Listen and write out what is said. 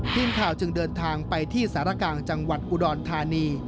ทีมข่าวจึงเดินทางไปที่สารกลางจังหวัดอุดรธานี